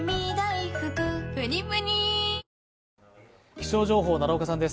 気象情報、奈良岡さんです。